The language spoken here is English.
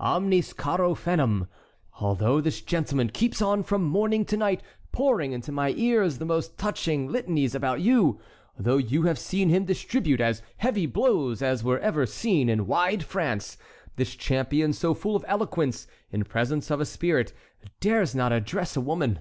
Omnis caro fenum. Although this gentleman keeps on from morning to night pouring into my ears the most touching litanies about you, though you have seen him distribute as heavy blows as were ever seen in wide France—this champion, so full of eloquence in presence of a spirit, dares not address a woman.